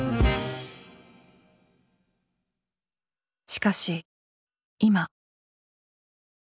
しかし今。